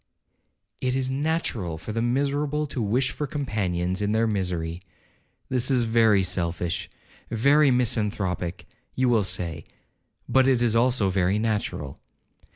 'It is natural for the miserable to wish for companions in their misery. This is very selfish, very misanthropic, you will say, but it is also very natural.